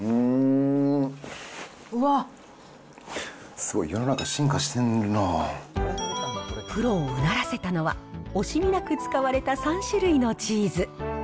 すごい、プロをうならせたのは、惜しみなく使われた３種類のチーズ。